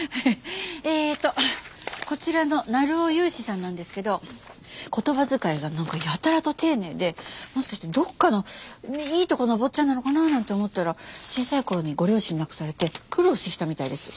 えーっとこちらの鳴尾勇志さんなんですけど言葉遣いがなんかやたらと丁寧でもしかしてどこかのいいとこのお坊ちゃんなのかななんて思ったら小さい頃にご両親亡くされて苦労してきたみたいです。